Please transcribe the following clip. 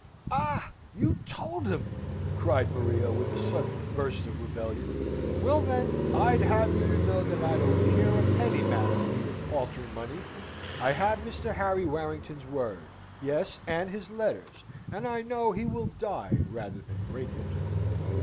"Ah! you told him!" cried Maria, with a sudden burst of rebellion. "Well, then! I'd have you to know that I don't care a penny, madam, for your paltry money! I have Mr. Harry Warrington's word yes, and his letters and I know he will die rather than break it."